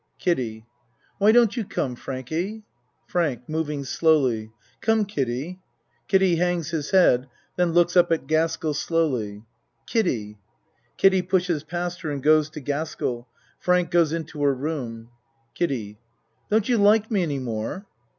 KIDDIE Why don't you come, Frankie? FRANK (Moving slowly.) Come, Kiddie. (Kiddie hangs his head, then looks up at Gaskell slowly.) Kiddie. (Kiddie pushes past her and goes to Gaskell Frank goes in to her room.) KIDDIE Don't you like me any more?